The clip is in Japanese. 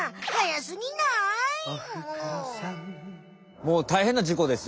もうたいへんなじこですよ